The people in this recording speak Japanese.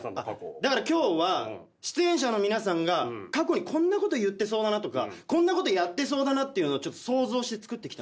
だから今日は出演者の皆さんが過去にこんなこと言ってそうだなとかこんなことやってそうだなっていうのを想像して作ってきた。